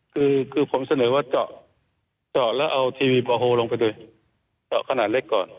คือผมเสนอว่าเจาะเจาะแล้วเอาทีวีบอโฮลลงไปโดยเจาะขนาดเล็กก่อน